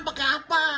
melalui rekening paypal